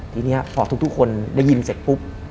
ทีนี้พอทุกคนได้ยินเสร็จปุ๊บ